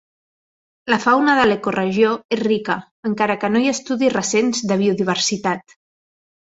La fauna de l'ecoregió és rica, encara que no hi ha estudis recents de biodiversitat.